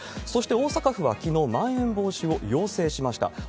そして大阪府はきのう、まん延防止を要請しました。